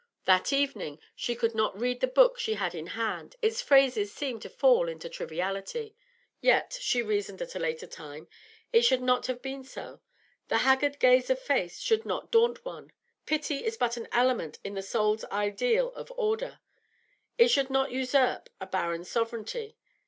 That evening she could not read the book she had in hand; its phrases seemed to fall into triviality. Yet she reasoned at a later time it should not have been so; the haggard gaze of fate should not daunt one; pity is but an element in the soul's ideal of order, it should not usurp a barren sovereignty.